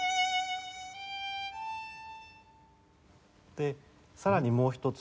でさらにもう一つ。